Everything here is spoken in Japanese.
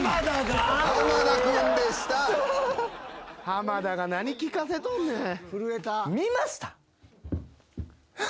濱田が何聞かせとんねん。